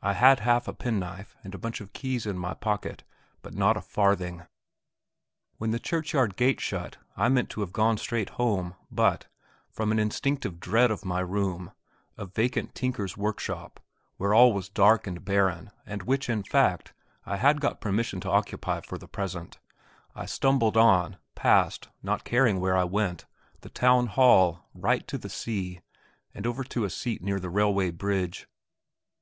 I had half a penknife and a bunch of keys in my pocket, but not a farthing. When the churchyard gate shut I meant to have gone straight home, but, from an instinctive dread of my room a vacant tinker's workshop, where all was dark and barren, and which, in fact, I had got permission to occupy for the present I stumbled on, passed, not caring where I went, the Town Hall, right to the sea, and over to a seat near the railway bridge.